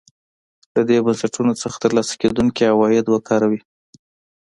له دې بنسټونو څخه ترلاسه کېدونکي عواید وکاروي.